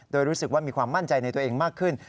โดยรู้สึกว่ามีความมั่นใจในตัวเองมากขึ้น